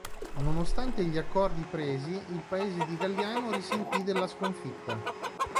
Nonostante gli accordi presi il paese di Galliano risentì della sconfitta.